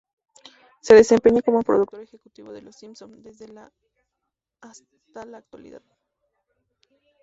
Se desempeña como productor ejecutivo de "Los Simpson" desde la hasta la actualidad.